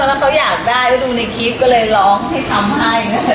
แล้วเขาอยากได้ก็ดูในคลิปก็เลยร้องให้ทำให้